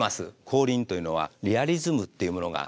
光琳というのはリアリズムっていうものが。